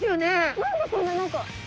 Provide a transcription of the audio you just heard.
何でこんな何か。